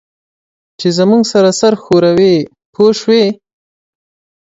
چې زموږ سره سر ښوروي پوه شوې!.